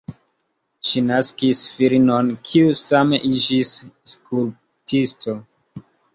Ŝi naskis filinon, kiu same iĝis skulptisto.